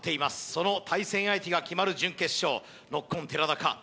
その対戦相手が決まる準決勝ノッコン寺田か